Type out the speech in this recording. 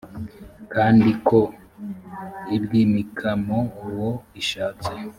kandi ko ibwimikamo uwo ishatse